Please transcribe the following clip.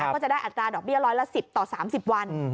ก็จะได้อัตราดอกเบี้ยร้อยละ๑๐ต่อ๓๐วัน